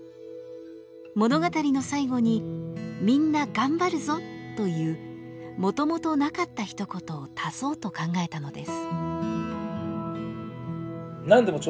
物語の最後に「みんなー頑張るぞー！」というもともとなかったひと言を足そうと考えたのです。